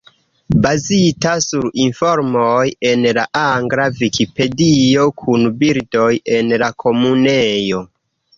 Bazita sur informoj en la angla Vikipedio, kun bildoj el la Komunejo.